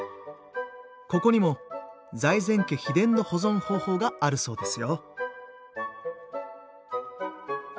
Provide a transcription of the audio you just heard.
ここにも財前家秘伝の保存方法があるそうですよ。